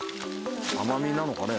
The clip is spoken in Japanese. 甘みなのかね